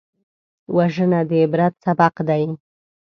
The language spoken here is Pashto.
وژنه د عبرت سبق دی